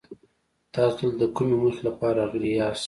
تاسو دلته د کومې موخې لپاره راغلي ياست؟